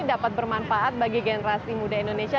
dapat bermanfaat bagi generasi muda indonesia